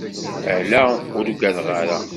Ala, ur ugadeɣ ara.